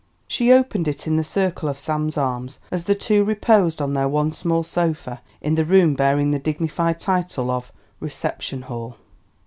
She opened it in the circle of Sam's arms, as the two reposed on their one small sofa in the room bearing the dignified title of reception hall.